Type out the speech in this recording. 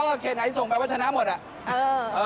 เขตไหนส่งไปว่าชนะหมดอ่ะ